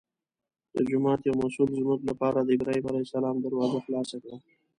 د جومات یو مسوول زموږ لپاره د ابراهیم علیه السلام دروازه خلاصه کړه.